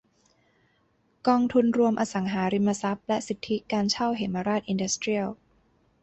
กองทุนรวมอสังหาริมทรัพย์และสิทธิการเช่าเหมราชอินดัสเตรียล